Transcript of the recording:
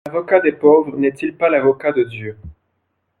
L'avocat des pauvres n'est-il pas l'avocat de Dieu?